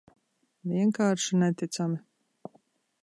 Vienkārši neticami.